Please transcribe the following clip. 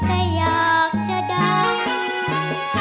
แต่อยากจะดัง